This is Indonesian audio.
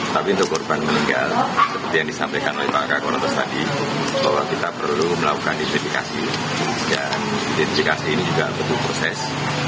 tapi untuk korban meninggal seperti yang disampaikan oleh pak kak konantos tadi bahwa kita perlu melakukan identifikasi dan identifikasi ini juga butuh proses